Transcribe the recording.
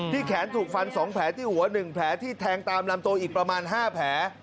แขนถูกฟัน๒แผลที่หัว๑แผลที่แทงตามลำตัวอีกประมาณ๕แผล